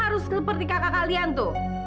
harus seperti kakak kalian tuh